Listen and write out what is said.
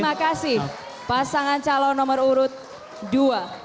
terima kasih pasangan calon nomor urut dua